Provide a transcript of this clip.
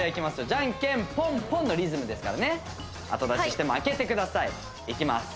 ジャンケンポン・ポンのリズムですからね後出しして負けてくださいいきます